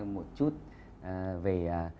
một chút về